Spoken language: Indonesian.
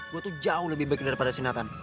gue tuh jauh lebih baik daripada si nathan